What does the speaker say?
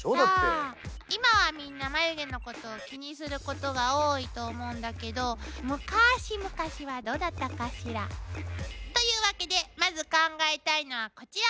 今はみんな眉毛のことを気にすることが多いと思うんだけどむかし昔はどうだったかしら。というわけでまず考えたいのはこちら！